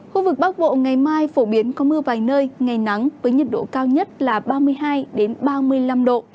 khu vực bắc bộ ngày mai phổ biến có mưa vài nơi ngày nắng với nhiệt độ cao nhất là ba mươi hai ba mươi năm độ